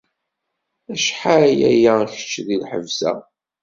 acḥal aya kečč deg lḥebs-a?